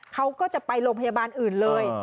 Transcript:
เขาก็จะไปโรงพยาบาลอื่นเลย